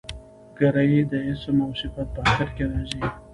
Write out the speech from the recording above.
ګری د اسم او صفت په آخر کښي راځي.